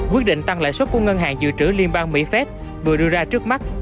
quyết định tăng lãi suất của ngân hàng dự trữ liên bang mỹ phép vừa đưa ra trước mắt